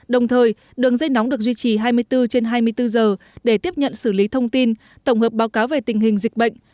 đồng thời đường dây nóng được duy trì hai mươi bốn trên hai mươi bốn giờ để tiếp nhận xử lý thông tin tổng hợp báo cáo về tình hình dịch bệnh